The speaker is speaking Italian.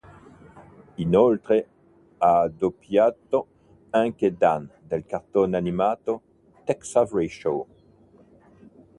Inoltre, ha doppiato anche Dan del cartone animato "Tex Avery Show".